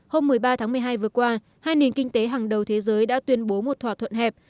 hôm một mươi ba tháng một mươi hai vừa qua hai nền kinh tế hàng đầu thế giới đã tuyên bố một thỏa thuận hẹp